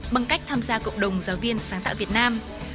bằng cách tham gia cộng đồng giáo viên sáng tạo việt nam